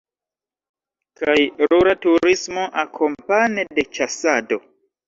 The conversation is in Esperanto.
Kaj rura turismo akompane de ĉasado.